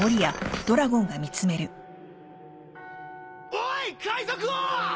おい海賊王！